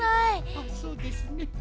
あそうですね。